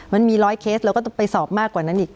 มันมี๑๐๐เคสเราก็ต้องไปสอบมากกว่านั้นอีก